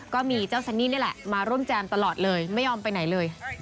ก็มีเจ้าซันนี่นี่แหละมาร่วมแจมตลอดเลยไม่ยอมไปไหนเลย